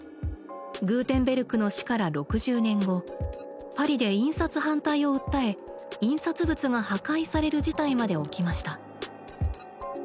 グーテンベルクの死から６０年後パリで「印刷反対」を訴え印刷物が破壊される事態まで起きました。